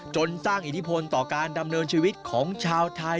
จนสร้างอิทธิพลต่อการดำเนินชีวิตของชาวไทย